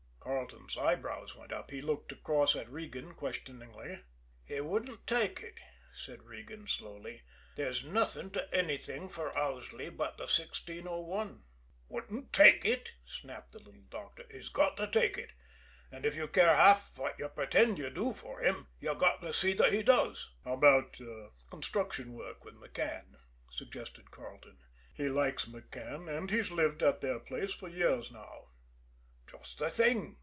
Carleton's eyebrows went up. He looked across at Regan questioningly. "He wouldn't take it," said Regan slowly. "There's nothing to anything for Owsley but the 1601." "Wouldn't take it!" snapped the little doctor. "He's got to take it. And if you care half what you pretend you do for him, you've got to see that he does." "How about construction work with McCann?" suggested Carleton. "He likes McCann, and he's lived at their place for years now." "Just the thing!"